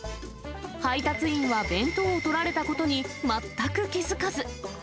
配達員は弁当をとられたことに全く気付かず。